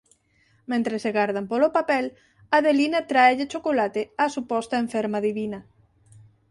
Mentres agardan polo papel Adelina tráelle chocolate á suposta enferma Divina.